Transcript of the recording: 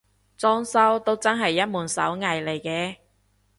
裝修都真係一門手藝嚟嘅